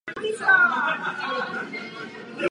Je v podstatě podobný původnímu seriálu.